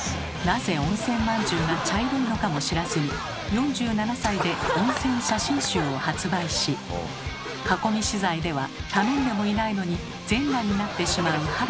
なぜ温泉まんじゅうが茶色いのかも知らずに４７歳で温泉写真集を発売し囲み取材では頼んでもいないのに全裸になってしまう原田さん。